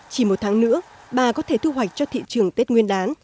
chỉ một tháng nữa bà có thể thu hoạch cho thị trường tết nguyên đán